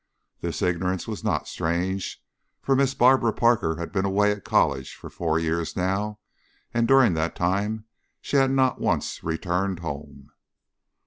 This ignorance was not strange, for Miss Barbara Parker had been away at college for four years now, and during that time she had not once returned home.